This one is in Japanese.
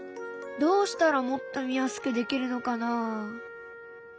どうしたらもっと見やすくできるのかな？